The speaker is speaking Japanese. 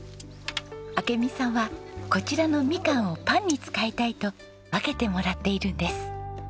明美さんはこちらのみかんをパンに使いたいと分けてもらっているんです。